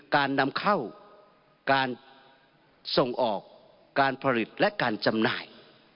การนำเข้าการส่งออกการผลิตและการจำหน่าย